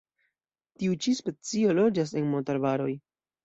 Tiu ĉi specio loĝas en montarbaroj.